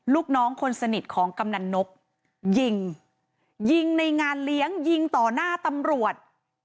ลูกน้องคนสนิทของกำนันนกยิงยิงในงานเลี้ยงยิงต่อหน้าตำรวจ